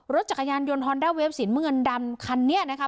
รถจักรยานยนต์ฮอนด้าเวฟสีน้ำเงินดำคันนี้นะคะ